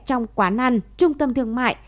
trong quán ăn trung tâm thương mại